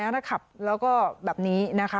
แล้วก็แบบนี้นะคะ